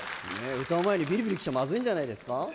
歌う前にビリビリきちゃまずいんじゃないですか？